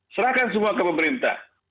serahkan semua ke pemerintah